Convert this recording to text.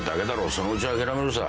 そのうち諦めるさ。